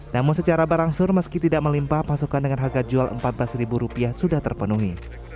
namun secara berangsur meski tidak melimpah pasukan dengan harga jual rp empat belas sudah terpenuhi